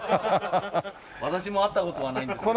私も会った事はないんですけど。